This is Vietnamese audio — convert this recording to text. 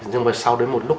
nhưng mà sau đến một lúc